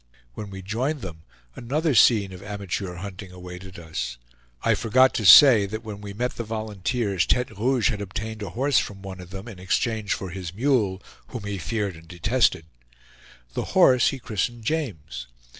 When we joined them, another scene of amateur hunting awaited us. I forgot to say that when we met the volunteers Tete Rouge had obtained a horse from one of them, in exchange for his mule, whom he feared and detested. The horse he christened James.